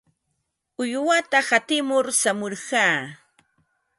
Uywata qatimur shamurqaa.